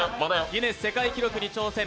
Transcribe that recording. ギネス世界記録に挑戦。